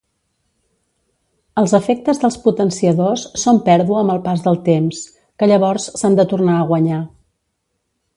Els efectes dels potenciadors són pèrdua amb el pas del temps, que llavors s'han de tornar a guanyar.